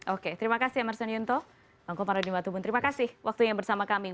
oke terima kasih emerson yunto bangko parodi mbatubun terima kasih waktunya bersama kami